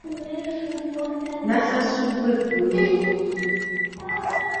Nasasuddwa eggulo.